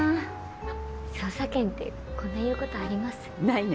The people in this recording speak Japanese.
「捜査権」ってこんな言うことあります？ないね。